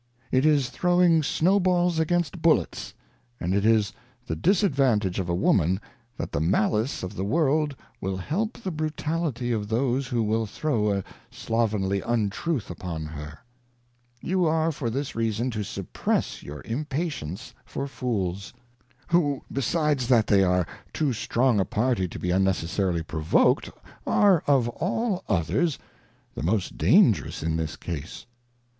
It is throwing Snow balls against Bullets ; and it is the disadvantage of a Woman, that the Malice of the World will help the Brutality of those who will throw a slovenly Untruth upon her, j You are for this Reason to suppress your ImpatienceimFooh, ; who besides that they are too strong a Party to be unnecessarily provoked, are of all others, the most dangerous in this Case.